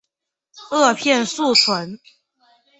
萼片宿存。